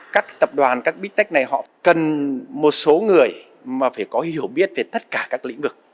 các tập đoàn các bít tách này họ cần một số người mà phải có hiểu biết về tất cả các lĩnh vực